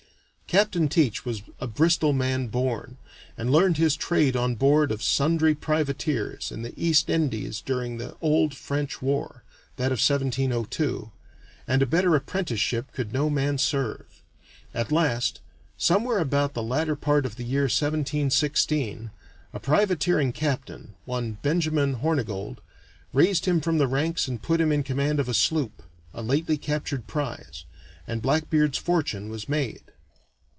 Captain Teach was a Bristol man born, and learned his trade on board of sundry privateers in the East Indies during the old French war that of 1702 and a better apprenticeship could no man serve. At last, somewhere about the latter part of the year 1716, a privateering captain, one Benjamin Hornigold, raised him from the ranks and put him in command of a sloop a lately captured prize and Blackbeard's fortune was made.